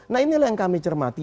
nah inilah yang kami cermati